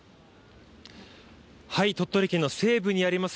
鳥取県の西部にあります